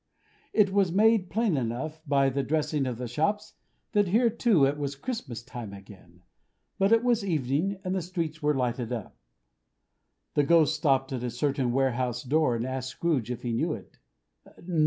It was made plain enough, by the dressing of the shops, that here too it was Christmas time again; but it was evening, and the streets were lighted up. The Ghost stopped at a certain warehouse door, and asked Scrooge if he knew it.